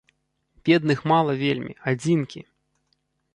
Бедных мала вельмі, адзінкі!